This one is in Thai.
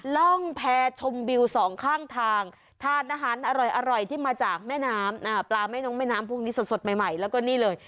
ร่องแพรชมวิวสองข้างทางทานอาหารอร่อยที่มาจากแม่น้ำปลาแม่น้องแม่น้ำพวกนี้สดใหม่แล้วก็นี่เลย